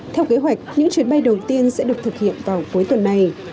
theo kế hoạch những chuyến bay đầu tiên sẽ được thực hiện vào cuối tuần này